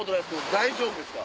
大丈夫ですか？